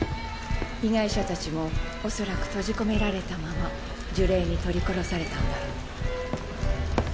被害者たちもおそらく閉じ込められたまま呪霊に取り殺されたんだろう。